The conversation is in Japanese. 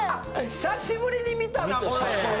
久しぶりに見たね。